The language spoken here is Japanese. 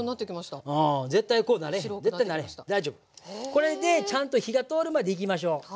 これでちゃんと火が通るまでいきましょう。